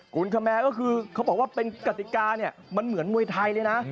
คุณคแมร์ก็คือเขาบอกว่าเป็นกติกาเนี่ยมันเหมือนมวยไทยเลยนะ